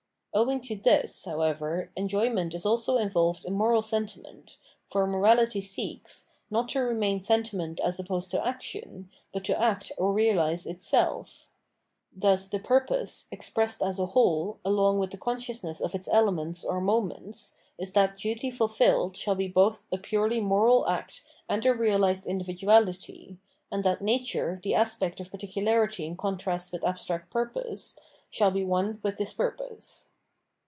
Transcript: Owing to this, however, enjoyment is also involved in moral sentiment, for morality seeks, not to remain sentiment as opposed to action, but to act or realise itself. Thus the purpose, expressed as a whole along with the con sciousness of its elements or moments, is that duty fulfilled shall be both a purely moral act and a real ised individuality, and that nature, the aspect of par ticularity in contrast with abstract purpose, shall be one with this purpose.